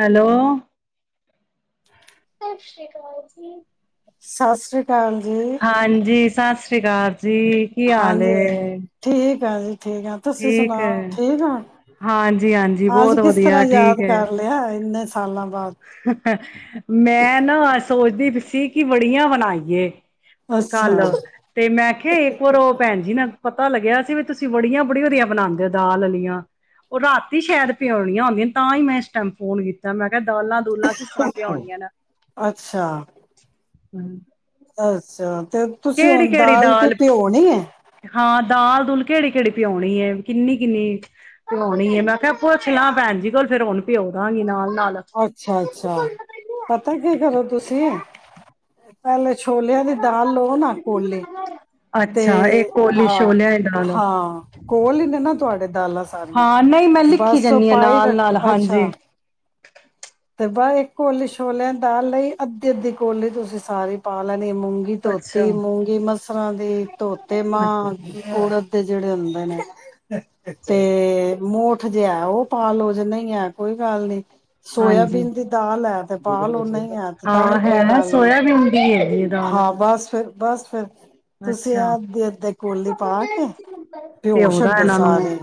Hello ਸਤਿ ਸ਼੍ਰੀ ਅਕਾਲ ਸਤਿ ਸ੍ਰੀ ਅਕਾਲ ਜੀ ਹਾਂਜੀ ਸਤਿ ਸ਼੍ਰੀ ਅਕਾਲ ਜੀ ਕੀ ਹਾਲ ਠੀਕ ਹਾਂਜੀ ਠੀਕ ਆ ਤੁਸੀਂ ਸੁਣਾ ਠੀਕ ਏ, ਠੀਕ ਆ। ਹਾਂਜੀ-ਹਾਂਜੀ ਅਜ ਬਹੁਤ ਕਿਸ ਵਧੀਆ ਤਰ੍ਹਾਂ ਯਾਦ ਠੀਕ ਕਰ ਏ। ਲਿਆ ਇਨੇ ਮੈਂ ਨਾ ਸੋਚਦੀ ਪੀ ਸੀ ਕਿ ਵੜੀਆਂ ਬਣਾਈਏ ਤੇ ਕੱਲ ਅੱਛਾ। ਤੇ ਮੈਂ ਕਿਹਾ ਇੱਕ ਵਾਰ ਉਹ ਭੈਣ ਜੀ ਨਾਲ ਪਤਾ ਲੱਗਿਆ ਸੀ ਵੀ ਤੁਸੀ ਵੜਿਆ ਬੜੀ ਵਧੀਆ ਬਣਾਉਂਦੇ ਹੋ ਦਾਲ ਆਲੀਆਂ। ਉਹ ਰਾਤੀ ਸ਼ਾਇਦ ਪਿਉਣੀਆਂ ਹੁੰਂਦੀਆਂ ਤਾਂ ਹੀ ਮੈਂ ਇਸ ਟਾਈਮ ਫੋਨ ਕੀਤਾ ਮੈਂ ਦਾਲਾਂ ਦੁਲਾਂ ਕਿਸ ਤਰਾਂ ਭਉਣੀਆਂ ਨੇ [inaudible] ਅੱਛਾ, ਅੱਛਾ। ਤੇ ਤੁਸੀਂ ਹੁਣ ਦਾਲ ਕਿ ਪਿਓਨੀ ਹੈ। ਹਾਂ ਦਾਲ ਦੂਲ ਕਿਹੜੀ-ਕਿਹੜੀ ਪਿਆਉਣੀ ਹੈ ਕਿੰਨੀ-ਕਿੰਨੀ ਪਿਆਉਣੀ ਹੈ ਮੈਂ ਕਿਹਾ ਪੁੱਛ ਲਾਂ ਭੈਣ ਜੀ ਕੋਲ ਫੇਰ ਹੁਨ ਪਿਉ ਦਾਂਗੀ ਨਾਲ ਨਾਲ ਅੱਛਾ-ਅੱਛਾ ਪਤਾ ਕੀ ਕਰੋ ਤੁਸੀ ਪਹਿਲੇ ਛੋਲਿਆਂ ਦੀ ਦਾਲ ਲਓ ਨਾ ਕੋਲੇ ਤੇ ਅੱਛਾ ਇਹ ਕੋਲੀ ਹਾਂ ਛੋਲਿਆਂ ਦੀ ਦਾਲ ਹਾਂ ਕੋਲ ਹੀ ਨੇ ਨਾ ਤੁਹਾਡੇ ਦਾਲਾਂ ਸਾਰੀਆਂ ਹਾਂ ਨਹੀਂ ਮੈਂ ਲਿਖੀ ਬਸ ਉਹ ਜਾਂਦੀ ਹਾਂ ਪਾਈ ਨਾਲ ਰੱਖ ਨਾਲ ਹਾਂਜੀ ਅੱਛਾ ਤੇ ਇੱਕ ਕੋੌਲੀ ਛੋਲਿਆਂ ਦਾਲ ਲਈ ਅੱਧੀ ਅੱਧੀ ਕੋਲੀ ਤੁਸੀਂ ਸਾਰੀ ਪਾ ਲੈ ਦੀ ਮੂੰਗੀ ਅੱਛਾ ਧੋਤੀ ਮੂੰਗੀ ਮਸਰਾਂ ਦੀ ਧੋਤੇ ਮਾਂ ੜਦ ਦੇ ਜਿਹੜੇ ਹੁੰਦੇ ਨੇ ਤੇ ਮੋਠ ਜਿਹਾ ਉਹ ਪਾ ਲੋੋ ਜ ਨਹੀਂ ਹੈ ਕੋਈ ਗੱਲ ਨੀ ਹਾਂਜੀ ਸੋਇਆਬੀਨ ਦੀ ਦਾਲ ਹੈ ਤੇ ਪ ਲਓ ਨਹੀਂ ਹੈ ਤੇ ਤਾਂ ਵੀ ਹਾਂ ਕੋਈ ਹੈ ਗੱਲ ਨਹੀਂ ਸੋਇਆਬੀਨ ਦੀ ਹੈਗੀ ਹੈ ਦਾਲ ਹਾਂ ਬਸ ਫਿਰ ਬਸ ਫਿਰ ਤੁਸੀਂ ਅੱਛਾ ਅੱਧੀ-ਅੱਧੀ ਕੋਲੀ ਪਾ ਕੇ ਤੇ ਭਿਓ ਉਹਦਾ ਛੱਡੋ ਇਹਨਾ ਨੂੰ ਸਾਰੇ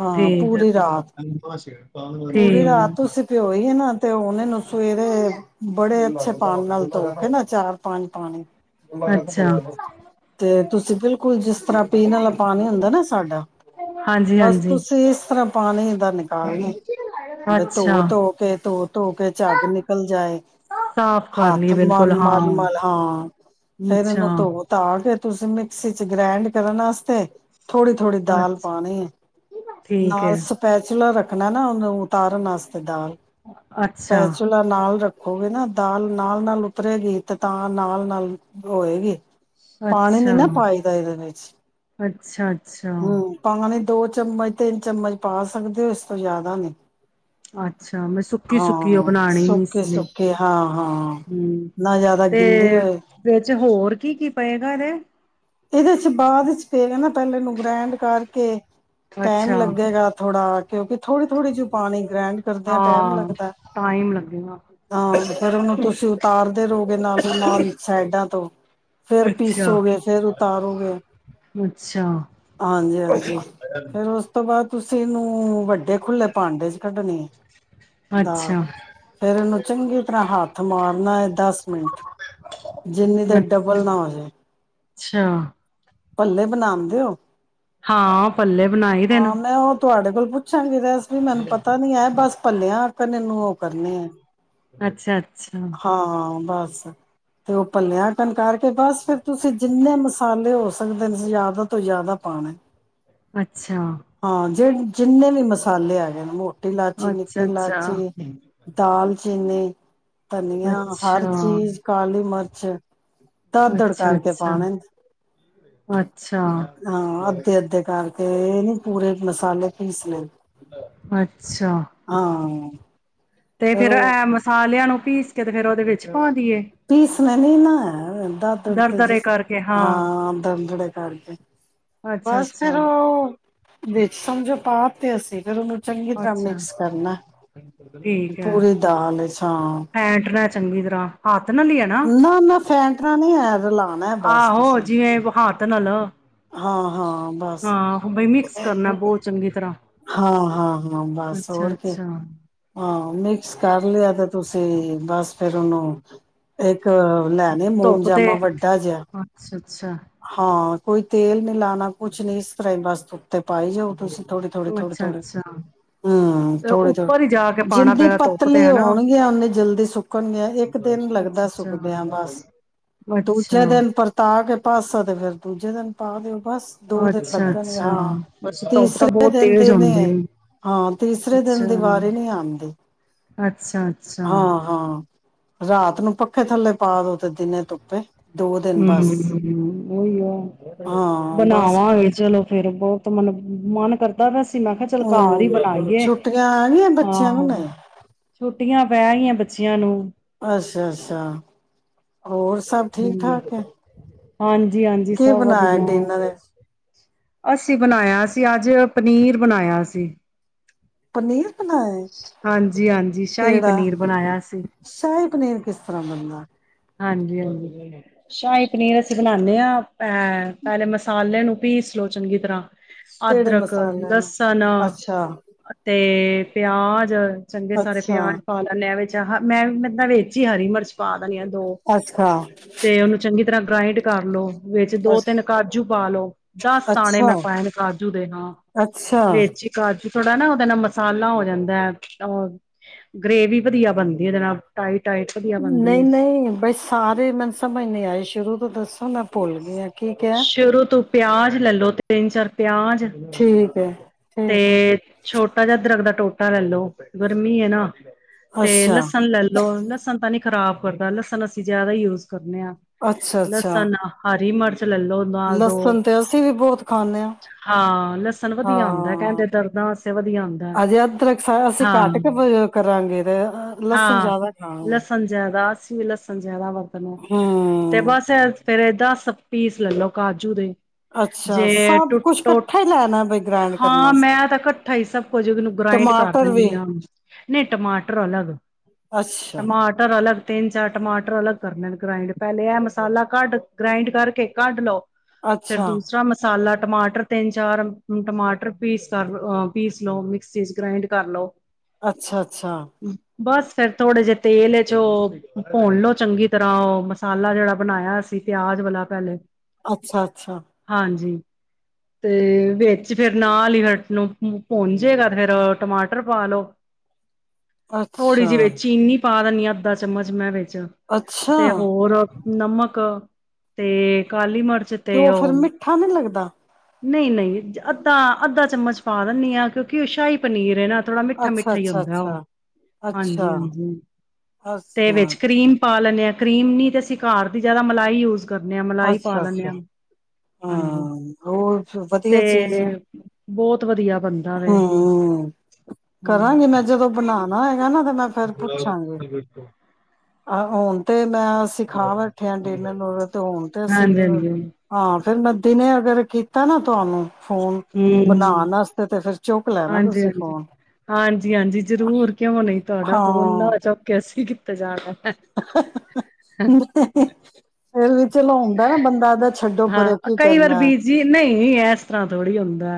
ਹਾਂ ਠੀਕ ਪੂਰੀ ਰਾਤ ਆ ਪੂਰੀ ਰਾਤ ਠੀਕ ਤੁਸੀਂ ਭਿਓਈ ਨਾ ਤੇ ਉਹਨੇ ਨੂੰ ਸਵੇਰੇ ਬੜੇ ਅੱਛੇ ਪਾਣੀ ਨਾਲ ਧੋ ਕੇ ਨਾ ਚਾਰ ਪੰਜ ਪਾਣੀ ਅੱਛਾ ਤੇ ਤੁਸੀਂ ਬਿਲਕੁਲ ਜਿਸ ਤਰ੍ਹਾਂ ਪੀਣ ਵਾਲਾ ਪਾਣੀ ਹੁੰਦਾ ਨਾ ਸਾਡਾ ਹਾਂਜੀ ਬਸ ਹਾਂਜੀ ਤੁਸੀਂ ਇਸ ਤਰ੍ਹਾਂ ਪਾਣੀ ਦਾ ਨਿਕ ਬ ਤ ਅੱਛਾ ਉਹ ਤੋਂ ਕੇ ਧੋ ਧੋ ਕੇ ਝੱਗ ਨਿਕਲ ਜਾਏ ਸਾਫ਼ ਕਰ ਲਈ ਹੱਥ ਬਿਲਕੁਲ ਮਲ ਹਾਂ ਮਲ ਮਲ ਹਾਂ ਫੇਰ ਇਹਨੂੰ ਅੱਛਾ ਧੋ ਧਾ ਕੇ ਤੁਸੀਂ ਮਿਕਸੀ ਚ ਗ੍ਰੈਂਡ ਕਰਨ ਵਾਸਤੇ ਥੋੜ੍ਹੀ ਥੋੜ੍ਹੀ ਦਾਲ ਅੱਛ ਪਾਣੀ ਹੈ ਠੀਕ ਹੈ ਨਾਲ ਸਪੈਚਲਾ ਰੱਖ ਣਾ ਨਾ ਉਹਨੂੰ ਉਤਾਰਨ ਵਾਸਤੇ ਦਾਲ ਅੱਛਾ ਫੈਸਲਾ ਨਾਲ ਰੱਖ ਹੋਵੇ ਨਾ ਦਾਲ ਨਾਲ ਨਾਲ ਉਪਰੇਗੀ ਤੇ ਤਾਂ ਨਾਲ ਨਾਲ ਹੋਏਗੀ ਪਾਣੀ ਨੀ ਅੱਛਾ ਨਾ ਪਾਈਦਾ ਇਹਦੇ ਵਿੱਚ ਅੱਛਾ ਅੱਛਾ ਹਮ ਪਾਣੀ ਦੋ ਚਮਚ ਤਿੰਨ ਚਮਚ ਪਾ ਸਕਦੇ ਹੋ ਇਸ ਤੋਂ ਜ਼ਿਆਦਾ ਨਹੀਂੀ ਅੱਾ ਅੱਛਾ ਮੈਂ ਸੁੱਕੀ ਸੁੱਕੀ ਉਹ ਬਣਾਉਣੀ ਵੀ ਇਸ ਸੁੱਕੇ ਲਈ ਸੁੱਕੇ ਹਾਂ ਹਾਂ ਹਮ ਨਾ ਜ਼ਿਆਦਾ ਗਿੱਲੀ ਹੋਏ ਤੇ ਹੋਰ ਕੀ ਕੀ ਪਏਗਾ ਇਹਦੇ ਇਹਦੇ ਚ ਬਾਅਦ ਚ ਪਏਗਾ ਨਾ ਪਹਿਲੇ ਨੂੰੂੰ ਗ੍ਰੈਂਡ ਕਰਕੇ ਟਾਈਮ ਅੱਛਾ ਲੱਗੇਗਾ ਥੋੜਾ ਕਿਉਂਕਿ ਥੋੜੀ ਥੋੜ੍ਹੀ ਜਿ ਪਾਣੀ ਗ੍ਰੈਂਡ ਕਰਦੇ ਹ ਟਾਈਮ ਹਾਂ ਲੱਗਦਾ ਟਾਈਮ ਲੱਗੇਗਾ ਹਾਂ ਫਿਰ ਉਹਨੂੰ ਤੁਸੀਂ ਉਤਾਰਦੇ ਰਹੋਗੇ ਨਾ ਨ ਸਾਈਡਾਂ ਤੋਂ ਫੇਰ ਅੱਛਾ ਪੀਿਸੋ ਗ ਫੇਰ ਉਤਾਰੂਗੇ ਅੱਛਾ ਹਾਂਜੀ ਹਾਂਜੀ ਫੇਰ ਉਸ ਤੋਂ ਬਾਅਦ ਤੁਸੀਂ ਇਹਨੂੰ ਵੱਡੇ ਖੁੱਲੇ ਪਾਂਡੇ ਕੱਢਣੀ ਦਾ ਅੱਛਾ ਫੇਰ ਇਹਨੂੰ ਚੰਗੇ ਤਰ੍ਹਾਂ ਹੱਥ ਮਾਰਨਾ ਹੈ ਦਸ ਮਿੰਟ ਜਿੰਨੀ ਦੇ ਡਬਲ ਨਾ ਹੋ ਜਾੇ ਅੱਛਾ ਪੱਲੇ ਬਣਾਮ ਦਿਓ ਹਾਂ ਪੱਲੇ ਬਣਾਈ ਦੇਣ। ਉਹ ਤੁਹਾਡੇ ਕੋਲ ਪੁੱਛਾਂਗੀ ਰਸ ਪੀ ਮੈਨੂੰ ਪਤਾ ਨੀ ਹੈ ਬਸ ਭੱਲਿਆ ਅਕਨ ਇਹਨੂੰ ਉਹ ਕਰਨੇ ਆ। ਅੱਛਾ-ਅੱਛਾ ਬਸ ਤੇ ਉਹ ਪੱਲਿਆਂ ਅਕਨ ਕਰਕੇ ਬਸ ਫੇਰ ਤੁਸੀਂ ਜਿੰਨੇ ਮਸਾ ਸਾਲੇ ਹੋ ਸਕਦੇ ਨੇ ਜ਼ਿਆਦਾ ਤੋਂ ਜ਼ਿਆਦਾ ਪਾਣਾ। ਅੱਛਾ ਜਿੰਨੇ ਵੀ ਮਸਾਲੇ ਹੈਗੇ ਨੇ ਮੋ ਟੀ ਇਲਾਇਚੀ, ਅੱਛਾ ਨਿੱਕੀ ਅੱਛਾ ਇਲਾਇਚੀ, ਦਾਲ ਜਿੰਨੇ ਧਨੀਆ ਹਰ ਅੱਛਾ ਚੀਜ਼ ਕਾਲੀ ਮਿਰ ਛਾ ਦਰਦੜ ਅੱਛਾ ਕਰਕੇ ਅੱਛਾ ਪਾਨੇ। ਅੱਛਾ ਹਾਂ ਅੱਧੇ-ਅੱਧੇ ਕਾਰ ਤੇ ਇਹ ਨੀ ਪੂਰੇ ਮਸਾਲੇ ਪੀਸ ਲੈ। ਅੱਛਾ ਹਾਂ ਤੇ ਫਿਰ ਫੇਰ ਉਹ ਇਹ ਮਸਾਲਿਆ ਨੂੰ ਪੀਸ ਫੇਰ ਉਹਦੇ ਵਿੱਚ ਪਹ ਪੀਸਨ ਨੀ ਨਾ ਦਦੜ ਦਰਦਰੇ ਕਰਕੇ ਹਾਂ ਦਦੜੇ ਕਰਕੇ। ਅੱਛਾ ਬਸ ਫਿਰ ਅੱਛਾ ਉਹ ਵਿੱਚ ਸਮਝੋ ਪਾ ਤੇ ਅਸੀਂ ਫਿਰ ਉਨੂੰ ਚੰਗੀ ਤਰ੍ਹਾਂ ਅੱਛਾ ਮਿਕਸ ਕਰਨਾ, ਠੀਕ ਹੈ ਪੂਰੀ ਦਾਲ ਇਚ ਹਾਂ। ਫੈਂਟਣਾ ਚੰਗੀ ਤਰ੍ਹਾਂ ਹ ਨਾ-ਨਾ ਫੈਂਟਨਾ ਨਹੀਂ ਹੈ ਰਲਾ ਆਹੋ ਜਿਵੇਂ ਹੱਥ ਨਾਲ। ਹਾਂ ਹਾਂ ਬਸ ਹਾਂ ਬਈ ਮਿਕਸ ਕਰਨਾ ਬਹੁਤ ਚੰਗੀ ਤਰ੍ਹਾਂ। ਹਾਂ-ਹਾਂ, ਹਾਂ ਬਸ ਅੱਛਾ ਹੋਰ ਕੀ ਅੱਛਾ ਹਾਂ। ਮਿਕਸ ਕਰ ਲਿਆ ਤੇ ਤੁਸੀਂ ਬਸ ਫੇਰ ਉਹਨੂੰ ਇੱਕ ਲੈਣੇ ਮੋਮ ਧੁੱਪ ਤੇ ਜਾਮਾ ਵੱਡਾ ਜਿਹਾ ਅੱਛਾ ਅੱਛਾ ਹਾਂ ਕੋਈ ਤੇਲ ਮਿਲਾਨ ਕੁਛ ਨ ਇਸ ਤ ਵਾਸਤੇ ਤੇ ਪਾਈ ਜਾਓ ਤੁਸੀਂ ਥੋੜੀ ਥੋੜੀ -ਥੋੜੀ, ਅੱਛਾ ਥੋੜੀ ਅੱਛਾ ਹੂੰ ਤੇ ਥੋੜੀ- ਥੋੜ੍ਹੀ ਉੱਪਰ ਹੀ ਜਾ ਕੇ ਪਾਉਣਾ ਜਿੰਨੀ ਪਏਗਾ ਧੁੱਪ ਤੇ ਪਤਲੀ ਹਨਾ ਹੋਣਗੀਆਂ ਓਨੀ ਜਲਦੀ ਸੁੱਕਣਗੀਆਂ ਇੱਕ ਦਿਨ ਅੱਛਾ ਲੱਗਦਾ ਅੱਛਾ ਸੁਕਦਿਆਂ ਬਸ ਦੂਜੇ ਅੱਛਾ ਦਿਨ ਪਰਤਾ ਕੇ ਪਾਸਾ ਤੇ ਫਿਰ ਦੂਜੇ ਦਿਨ ਪਾ ਦਿਓ। ਬਸ ਦੋ ਦਿਨ ਅੱਛਾ ਲੱਗਣਗੇ ਅੱਛਾ ਹਾਂ ਬਸ ਧੁੱਪ ਤਾਂ ਤੀਸਰੀ ਦਿਨ ਬਹੁਤ ਤੇਜ਼ ਦਿੰਦੇ ਹੁੰਦੀ ਨੇ ਏ। ਹਾਂ ਤੀਸਰੇ ਅੱਛਾ ਦਿਨ ਦੀ ਵਾਰੀ ਨਹੀ ਆਉਂਦੀ ਅੱਛਾ ਅੱਛਾ ਹਾਂ, ਹਾਂ। ਰਾਤ ਨੂੰ ਪੱਖੇ ਥੱਲੇ ਪਾ ਦੋ ਤੇ ਦਿਨੇ ਧੁੱਪੇ ਦੋ ਦਿਨ ਬਸ। ਹਮ ਓਹੀ ਆ ਹਾਂ ਬਸ ਬਣਾਵਾਂਗੇ ਚਲੋ, ਫੇਰ ਬਹੁਤ ਮਨ ਮਨ ਕਰ ਦਸ। ਮੈਂ ਕਿਹਾ ਚਲ ਘਰ ਹੀ ਹੂੰ ਬੁਲਾਈਏ ਛੁੱਟੀਆਂ ਆ ਗਈਆਂ ਬੱਚਿਆਂ ਨੂੰ ਹਾਂ, ਨਹੀਂ। ਛੁੱਟੀਆਂ ਪਹਿ ਗਈਆਂ ਬੱਚਿਆਂ ਨੂੰ ਅੱਛਾ! ਅੱਛਾ! ਹੋਰ ਸਭ ਠੀਕ ਠਾਕ'। ਹੈ। ਹਾਂਜੀ ਹਾਂਜੀ ਕੀ ਸਭ ਬਣਾਇਆ ਵਧੀਆ, ਡਿਨਰ ਚ ਅਸੀਂ ਬਣਾਇਆ ਸੀ, ਅੱਜ ਫੇਰ ਪਨੀਰ ਬਣਾਇਆ ਸੀ। ਪਨੀਰ ਬਣਾਇਆ ਹਾਂਜੀ, ਹਾਂਜੀ, ਸ਼ਾਹੀ ਕਿਹੜਾ ਪਨੀਰ ਬਣਾਇਆ ਸੀ, ਸ਼ਾਹੀ ਪਨੀਰ ਕਿਸ ਤਰ੍ਹਾਂ ਬਣਦਾ ਹਾਂਜੀ- ਹਾਂਜੀ। ਸ਼ਾਹੀ ਪਨੀਰ ਅਸੀਂ ਬਣਾ ਖਾਂਦੇ ਹਾਂ ਪਹਿਲੇ ਮਸਾਲੇ ਨੂੰ ਵੀ ਸਲੋਚਨਗੀ ਤਰ੍ਹਾਂ ਕਿਹੜੇ ਅਦਰਕ, ਮਸਾਲੇ ਨਾਲ ਲਸਣ, ਅੱਛਾ ਤੇ ਤੇ ਪਿਆਜ। ਚੰਗੇ ਸਾਰੇ ਅੱਛਾ ਪਿਆਜ ਪਾ ਲੈਦੇ ਆ ਐਵੇਂ। ਮੈਂ ਇਹਦੇ ਵੇਚੀ ਹਰੀ ਮਿਰਚ ਪਾ ਦੇਣੀ ਆ ਦੋ ਅੱਛਾ! ਤੇ ਉਹਨੂੰ ਚੰਗੀ ਤਰ੍ਹਾਂ ਗ੍ਰਾਇੰਡ ਕਰਲੋ। ਵਿੱਚ ਦੋ ਅਛ ਤਿੰਨ ਕਾਜੂ ਪਾ ਲਓ ਦਸ ਦਾਣੇ ਅੱਛਾ ਮੈਂ ਪਾਏ ਨੇ ਕਾਜੂ ਦੇ ਨਾਲ ਅੱਛਾ ਵਿੱਚ ਕਾਜੂ ਥੋੜਾ ਨਾ ਉਹਦੇ ਨਾਲ ਮਸਾਲਾ ਹੋ ਜਾਂਦਾ ਹੈ ਅ ਗ੍ਰੇਵੀ ਵਧੀਆ ਬਣਦੀ ਉਹਦੇ ਨਾਲ ਟਾਈਟ ਨਹੀਂ ਨਹੀਂ ਬਈ ਸਾਰੇ [inaudible] ਸਮਝ ਨਹੀਂ ਆਏ ਸ਼ੁਰੂ ਤੋਂ ਦੱਸ, ਸ਼ੁਰੂ ਤੋਂ ਪਿਆਜ਼ ਲੈ ਲੋ ਤਿੰਨ ਚਾਰ ਪਿਆਜ, ਠੀਕ ਹੈ ਤੇ ਠੀਕ ਹੈ ਛੋਟਾ ਜਿਹਾ ਅਦਰਕ ਦਾ ਟੋਟਾ ਲੈ ਲਓ ਗਰਮੀ ਹੈ ਨਾ ਤੇ ਅੱਛਾ ਲਸਣ ਲੈਲੋ ਲਸਣ ਤਾਂ ਨੀ ਖ਼ਰਾਬ ਕਰਦਾ ਲਸਣ ਅਸੀਂ ਜ਼ਿਆਦਾ ਯੂਜ ਕਰਨੇ ਆ, ਅੱਛਾ ਅੱਛਾ ਸਾਨੂੰ ਹਾਰੀ ਮਿਰ ਲਸਣ ਤੇ ਅਸੀਂ ਵੀ ਬਹੁਤ ਖਾਂਦੇ ਹਾਂ ਲਸਣ ਵਧੀਆ ਹੁੰਦਾ ਹਾਂ-ਹਾਂ ਕਹਿੰਦੇ ਦਰਦਾਂ ਵਾਸਤੇ ਵਧੀਆ ਹੁੰਦਾ ਅਜੇ ਅਦਰਕ ਅਸੀਂ ਹਾਂ ਘੱਟ ਕੇ ਕਰਾਂਗੇ ਤੇ ਲਸਣ ਹਾਂ ਜ਼ਿਆਦਾ ਹਾਂ। ਲਸਣ ਜ਼ਿਆਦਾ ਅਸੀਂ ਲਸਣ ਜ਼ਿਆਦਾ ਵ ਤੇ ਬਸ, ਫੇਰ ਇਹਦਾ ਪੀਸ ਲੈ ਲਓ ਕਾਜੂ ਦੇ ਅੱਛਾ ਜੇ ਸਭ ਟੁ ਕੁਛ ਟੋ ਇਕੱਠਾ ਹੀ ਲੈਣਾ ਬਈ ਗ੍ਰੈਂਡ ਹਾਂ ਕਰਨਾ ਮੈਂ ਸੀ। ਤਾਂ ਇਕੱਠਾ ਹੀ ਸਭ ਕੁਝ ਉਹਨੂੰ ਗ੍ਰੇਡ ਕਰ ਟਮਾਟਰ ਵੀ ਦਿੰਦੀ ਹਾਂ ਨਹੀਂ ਟਮਾਟਰ ਅਲੱਗ ਅੱਛਾ, ਟਮਾਟਰ ਅਲੱਗ ਤਿੰਨ ਚਾਰ ਟਮਾਟਰ ਅਲੱਗ ਕਰੇ ਗ੍ਰਾਇੰਡ ਪਹਿਲੇ ਇਹ ਮਸਾਲਾ ਘੱਟ ਗ੍ਰਾਇੰਡ ਕਰਕੇ ਕੱਢ ਲਓ। ਫਿਰ ਅੱਛਾ, ਦੂਸਰਾ ਮਸਾਲਾ ਟਮਾਟਰ ਤਿੰਨ ਚਾਰ ਟਮਾਟਰ ਪੀਸ ਕਰ ਪੀਸ ਲਓ ਮਿਕਸੀ ਚ ਗ੍ਰੈਂਡ ਕਰ ਲਓ। ਅੱਛਾ-ਅੱਛਾ, ਬਸ ਫੇਰ ਥੋੜੇ ਜਿਹੇ ਤੇਲ ਚ ਉਹ ਭੁੰਨ ਲੋਓ, ਚੰਗੀ ਤਰ੍ਹਾਂ ਉਹ ਮਸਾਲਾ ਜਿਹੜਾ ਬਣਾਇਆ। ਸੀ, ਪਿਆਜ ਵਾਲਾ ਪਹਿਲੇ ਅੱਛਾ-ਅੱਛਾ, ਹਾਂਜੀ ਤੇ ਵਿੱਚ ਫਿਰ ਨਾਲ ਹੀ ਹਟ ਨੂੰ ਪੁੰਜੇਗਾ ਤੇ ਫੇਰ ਟਮਾਟਰ ਪਾ ਲੋ। ਥੋੜ੍ਹੀ ਅੱਛਾ, ਜੀ ਵਿੱਚ ਚੀਨੀ ਪਾ ਦੇਣੀ ਆ। ਅੱਧ ਚਮਚ ਮੈਂ ਅੱਛਾ ਤੇ ਹੋਰ ਨਮਕ ਤੇ ਕਾਲੀ ਮਿਰਚ ਤੇ ਉਹ ਫੇਰ ਮਿੱਠਾ ਨੀ ਲੱਗਦਾ। ਨਹੀਂ-ਨਹੀਂ ਅੱਧਾ-ਅੱਧਾ ਚਮਚ ਪਾ ਦਿੰਨੀ ਹਾਂ ਕਿਉਂਕਿ ਉਹ ਸ਼ਾਹੀ ਪਨੀਰ ਹੈ ਨਾ ਥੋੜਾ ਅੱਛਾ, ਮਿੱਠਾ-ਮਿੱਠਾ ਅੱਛਾ, ਹੁੰਦਾ ਉਹ ਅੱਛਾ, ਅੱਛਾ, ਹਾਂਜੀ-ਹਾਂਜੀ ਤੇ ਅੱਛਾ, ਵਿੱਚ ਕਰੀਮ ਪਾ ਲੈਂਦੇ ਹਾਂ। ਕਰੀਮ ਨੀ ਤੇ ਅਸੀ ਘਰ ਦੀ ਜ਼ਿਆਦਾ ਲਾਈ ਯੂਜ਼ ਅੱਛਾ-ਅੱਛਾ ਹਾਂਜੀ ਹਾਂ ਹੋਰ ਵਧੀਆ ਚੀਜ਼ ਆ। ਤੇ ਬਹੁਤ ਵਧੀਆ, ਬਣਦਾ ਵੇ ਹੂੰ, ਹਾਂ ਕਰਾਂਗੇ ਮੈਂ ਜਦੋਂ ਬਣਾਣਾ ਹੈਗਾ ਨਾ ਤੇ ਮੈਂ ਫੇਰ ਪੁੱਛਾਂਗੇ। ਆਹ ਹੁਣ ਤੇ ਮੈਂ ਅਸੀ ਖਾ ਬੈਠੇ ਆ ਡਿਨਰ ਤੇ ਹੁਣ ਤੇ ਅਸੀਂ ਹਾਂਜੀ ਹਾਂਜੀ ਹਾਂ ਫੇਰ ਮੈਂ ਦਿਨੇ ਅਗਰ ਕੀਤਾ ਨਾ ਤੁਹਾਨੂੰ ਫੋਨ ਹਮ ਬਣਾਉਣ ਵਾਸ ਹਾਂਜੀ ਹਾਂਜੀ ਹਾਂਜੀ ਹਾਂਜੀ ਜ਼ਰੂਰ ਕਿਉਂ ਨਹੀਂ ਤੁਹਾਡਾ ਹਨਾ ਚੁੱਕਿਆ ਅਸੀ [unintelligible] ਫਿਰ ਵੀ ਚਲੋ ਹੁੰਦਾ ਨਾ ਬੰਦਾਦਾ ਹਾਂ ਕਈ ਵਾਰ ਬੀਜ ਜਜੀ ਨਹੀਂ ਇਸ ਤਰ੍ਹਾਂ ਥੋੜ੍ਹੀ ਹੁੰਦਾ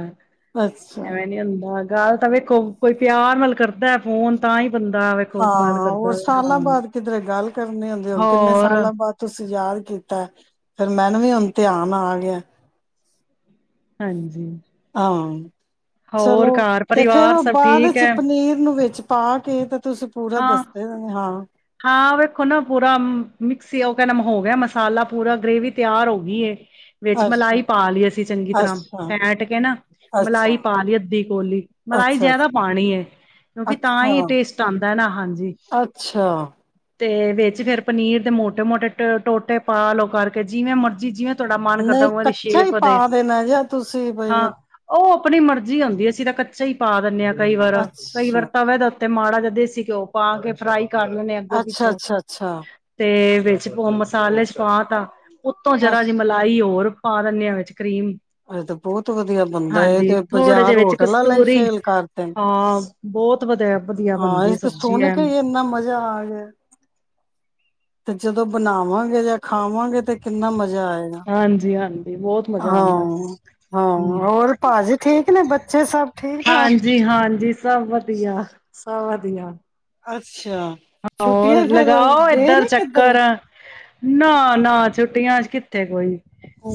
ਅੱਛਾ ਐਵੇਂ ਨੀ ਹੁੰਦਾ ਗੱਲ ਤਾਂ ਵੇਖੋ ਕੋਈ ਪਿਆਰ ਮੱਲ ਕਰਦਾ ਫੋਨ ਤਾਂ ਹੀ ਬੰਦਾ ਵੇਖੋ ਗੱਲ ਹਾਂ ਹੋਰ ਕਰਦਾ ਵੇ। ਸਾਲਾਂ ਹਾਂ ਬਾਅਦ ਕਿਧਰੇ ਗੱਲ ਕਰਨੀ ਹੁੰਦੀ ਹੁਣ ਕਿੰਨੇ ਹੋਰ ਸਾਲਾਂ ਬਾਅਦ ਤੁਸੀਂ ਯਾਦ ਕੀਤਾ ਫਿਰ ਮੈਂਨ ਵੀ ਹੁਣ ਤੇ ਆਉਣ ਆ ਗਿਆ ਹਾਂਜੀ ਆ ਹੋਰ ਚਲੋ ਘਰ ਤੇ ਫੇਰ ਪਰਿਵਾਰ ਉਹ ਸਭ ਬਾਅਦ ਠੀਕ ਵਿੱਚ ਹੈ ਪਨੀਰ ਨੂੰ ਵੇਚ ਪਾ ਕੇ ਤੁਸੀਂ ਪੂਰਾ ਹਾਂ ਦੱਸਦੇ ਹਾਂ ਹਾਂ ਵੇਖੋ ਨਾ ਪੂਰਾ ਮਿਕਸੀ ਉਹ ਕਹਿੰਦਾ ਹੋ ਗਿਆ ਮਸਾਲਾ ਪੂਰਾ ਗ੍ਰੇਵੀ ਤਿਆਰ ਹੋ ਗਈ ਵਿੱਚ ਅੱਛਾ, ਮਲਾਈ ਪਾ ਲਈ ਅਸੀਂ ਚੰਗੀ ਤਰ੍ਹਾਂ ਅੱਛਾ, ਫੈਂਟ ਕੇ ਨਾ ਮਲਾਈ ਅੱਛਾ, ਪਾ ਲਈ ਅੱਧੀ ਕੋਲੀ ਮਲਾਈ ਅੱਛਾ, ਜ਼ਿਆਦਾ ਪਾਣੀ ਹੈ ਕਿਉਂਕਿ ਤਾਂ ਅੱਛਾ। ਹੀ ਟੇਸਟ ਆਉਂਦਾ ਨਾ ਹਾਂਜੀ ਅੱਛਾ, ਤੇ ਵਿੱਚ ਫੇਿਰ ਪਨੀਰ ਦੇ ਮੋਟੇ ਮੋਟੇ ਟੋਟੇ ਪਾ ਲਓ ਕਰਕੇ ਜਿਵੇਂ ਮਰਜੀੀ ਜਿਵੇਂ ਤੁਹਾਡਾ ਮਨ ਕਰਦਾ ਨਹੀਂ ਉਵੇਂ ਦੀ ਕਛਾ ਹੀ ਸ਼ੇਪ ਪਾ ਦੇ ਦੇਣਾ ਜਿ ਤੁਸੀਂ ਬਈ ਹਾਂ ਉਹ ਆਪਣੀ ਮਰਜ਼ੀ ਆਉਂਦੀ ਅਸੀਂ ਤਾਂ ਕੱਚਾ ਹੀ ਪਾ ਦਿੰਦੇ ਹਾਂ ਕਈ ਵਾਰ ਕਈ ਵਾਰ ਅੱਛਾ, ਤਾਂ ਵ ਦਾ ਤੇ ਮਾੜਾ ਜਦੇ ਸੀ ਘਿਓ ਪਾ ਕੇ ਫਰਾਈ ਕਰਨਾ ਲਗੋ ਅੱਛਾ, ਪਿੱਛੋਂ ਅੱਛਾ, ਅੱਛਾ, ਤੇ ਵਿੱਚ ਮਸਾਲੇ ਚ ਪਾ ਤਾ ਉਤੋਂ ਜਰਾ ਜ ਮਲਾਈ ਹੋਰ ਪਾ ਦੰਨਿਆ ਵਿੱਚ ਜੀ ਇਹਜ ਤੇ ਬਹੁਤ ਵਧੀਆ ਬੰਦਾ ਹਾਂਜੀ ਤੇ ਥੋੜੇ ਜਿਹੇ ਬਾਜ਼ਾਰ ਵਿੱਚ ਹੋਟਲਾਂ ਲਈ ਕਸਤੂਰੀ ਫੇਲ ਕਰਦੇ ਹਾਂ ਬਹੁਤ ਵਧੀਆ ਵਧੀਆ ਹਾਂ ਬਣਦੀ ਇਹ ਤੇ ਸਬਜ਼ੀ ਸੁਣ ਐ ਕੇ ਇਨਾ ਮਜ਼ਾ ਆ ਗਿਆ ਤੇ ਜਦੋਂ ਬਣਾਵਾਂਗੇ ਜਾਂ ਖਾਵਾਂਗੇ ਤੇ ਕਿੰਨਾ ਮਜ਼ਾ ਆਏਗਾ ਹਾਂਜੀ ਹਾਂਜੀ ਬਹੁਤ ਮਜ਼ਾ ਹਾਂ ਆਉਂਦਾ ਹਮ ਹਾਂ ਹੋਰ ਭਾਜੀ ਠੀਕ ਨੇ ਬੱਚੇ ਸਭ ਠੀਕ ਠਾਕ ਹਾਂਜੀ ਹਾਂਜੀ ਸਭ ਵਧੀਆ ਸਭ ਵਧੀਆ ਅੱਛਾ ਹੋਰ ਛੁੱਟੀਆਂ ਫੇਰ ਲਗਾਓ ਗਏ ਇੱਧਰ ਨੀ ਕਿੱਧਰ ਚੱਕਰ ਨਾ ਨਾ ਛੁੱਟੀਆਂ ਚ ਕਿੱਥੇ ਕੋਈ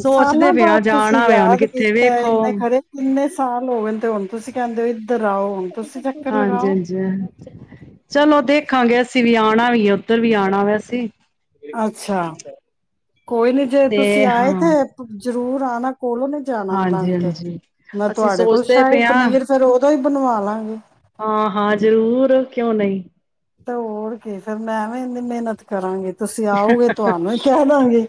ਸੋਚਦੇ ਸਾਲਾਂ ਪਏ ਆ ਬਾਅਦ ਤੁਸੀਂ ਜਾਣਾ ਵੇ ਹੁਣ ਯਾਦ ਕਿੱਥੇ ਕੀਤਾ ਵੇਖੋ ਇੰਨੇ ਖਰੇ ਕਿੰਨੇ ਸਾਲ ਹੋਏ ਤੇ ਹੁਣ ਤੁਸੀਂ ਕਹਿੰਦੇ ਹੋ ਆਓ ਹੁਣ ਤੁਸੀਂ ਚੱਕਰ ਹਾਂਜੀ ਲਗਾਓ ਹਾਂਜੀ ਚਲੋ ਦੇਖਾਂਗੇ ਅਸੀਂ ਵੀ ਆਉਣਾ ਵੀ ਹੈ ਉੱਧਰ ਵੀ ਆਉਣਾ ਵੇ ਵਾਸੀ ਅੱਛਾ ਕੋਈ ਨੀ ਜੇ ਤੇ ਤੁਸੀਂ ਆਏ ਹਾਂ ਤੇਥ ਦੂਰ ਆਨਾ ਕੋਲੋਂ ਨੀ ਜਾਣਾੁੰਦਾਗ ਹਾਂਜੀ ਕੇ ਹਾਂਜੀ ਮੈਂ ਅਸੀਂ ਤੁਹਾਡੇ ਕੋਲ ਸੋਚਦੇ ਸ਼ਾਹੀ ਪਏ ਹਾਂ ਪਨੀਰ ਫੇਰ ਉਦੋਂ ਹੀ ਬਣਵਾ ਲਾਂਗੇ ਹਾਂ ਹਾਂ ਜ਼ਰੂਰ ਕਿਉਂ ਨਹੀਂ ਤੇ ਹੋੜ ਕੇ ਫੇਿਰ ਮੈਂ ਵੀਨੀ ਮਿਹਨਤ ਕਰਾਂਗੇ ਤੁਸੀਂ ਆਓਗੇ ਤੁਹਾਨੂੰ ਹੀ ਕਹਿ ਦਵਗੇ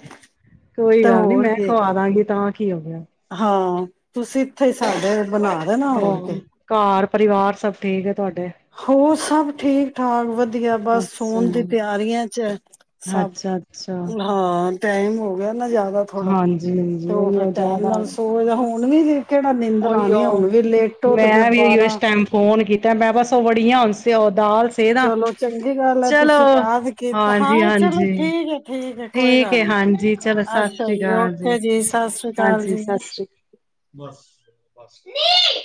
ਕੋਈ ਤੇ ਗੱਲ ਨੀ ਹੋਰ ਮੈਂ ਕ਼ੀ ਖਵਾ ਦਾਂਗੀ ਤਾਂ ਕੀ ਹੋ ਗਿਆ ਹਾਂ ਤੁਸੀਂ ੱਥੇ ਸਾਡੇ ਬਣਾ ਦੇਣਾ ਹੋਰ ਹਾਂ ਕੇ ਘਰ ਪਰਿਵਾਰ ਸਭ ਠੀਕ ਹੈ ਤੁਹਾਡੇ ਹੋਰ ਸਭ ਠੀਕ ਠਾਕ ਵਧ ਧੀਆ ਬਸ ਸੋਣ ਦੀ ਅੱਛਾ ਤਿਆਰੀਆਂ ਚ ਸਭ ਅੱਛਾ ਅੱਛਾ ਹਾਂ ਟਾਈਮ ਹੋ ਗਿਆ ਨਾ ਜ਼ਿਆਦਾ ਥੋੜਾ ਹਾਂਜੀ ਹਾਂਜੀ ਤੇ ਉਹ ਫਰ ਉਹੀਓ ਟੈਮ ਜ਼ਿਆਦਾ ਨਾਲ ਸੋ ਜਾਓ ਹੁਣ ਵੀ ਜੇ ਉਹੀਓ ਫਿਰ ਮੈਂ ਵੀ ਉਓਓ ਇਸ ਬਾਰਾਂ ਟਾਈਮ ਫੋਨ ਕੀਤਾ ਮੈਂ ਬਸ ਬੜੀਆ ਹਨਸੇ ਉਹ ਦਾਲ ਸੇਦਾ ਚਲੋ ਚੰਗੀ ਗੱਲ ਹੈ ਚਲੋ ਤੁਸੀਂ ਯਾਦ ਕੀਤਾ ਹਾਂਜੀ ਹਾਂ ਚਲੋ ਹਾਂਜੀ ਠੀਕ ਹੈ ਠੀਕ ਹੈ ਕੋਈ ਠੀਕ ਗੱਲ ਹੈ ਨੀ ਹਾਂਜੀ ਚਲੋ ਸਤਿ ਅੱਛਾ ਸ੍ਰੀ ਅਕਾਲ ਜੀ ਓਕੇ ਸਤਿ ਸ੍ਰੀ ਅਕਾਲ ਹਾਂਜੀ ਜੀ ਸਤਿ ਸ੍ਰੀ ਅਕਾਲ ਬਸ ਬੱਸ ਨਹੀਂ